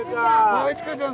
ああいちかちゃん